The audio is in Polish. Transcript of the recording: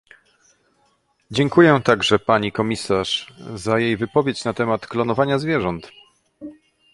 Dziękuję także pani komisarz za jej wypowiedź na temat klonowania zwierząt